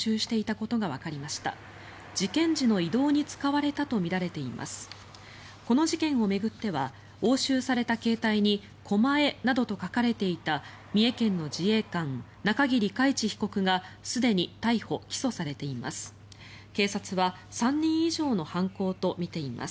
この事件を巡っては押収された携帯に「狛江」などと書かれていた三重県の自衛官、中桐海知被告がすでに逮捕・起訴されています。